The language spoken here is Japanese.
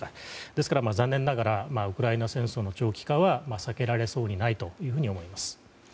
ですから、残念ながらウクライナ戦争の長期化は避けられそうにないと思います。